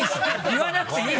言わなくていい。